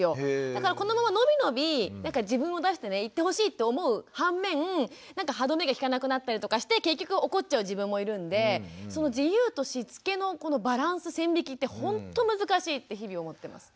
だからこのまま伸び伸び自分を出していってほしいって思う反面なんか歯止めが利かなくなったりとかして結局怒っちゃう自分もいるんでその自由としつけのバランス線引きってほんと難しいって日々思ってます。